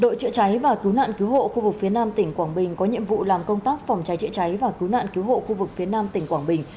đội chữa cháy và cứu nạn cứu hộ khu vực phía nam tỉnh quảng bình có nhiệm vụ làm công tác phòng cháy chữa cháy và cứu nạn cứu hộ khu vực phía nam tỉnh quảng bình